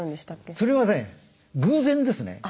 それはね偶然ですね。